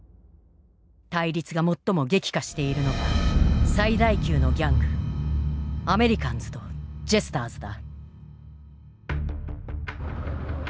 対立が最も激化しているのが最大級のギャングアメリカンズとジェスターズだ。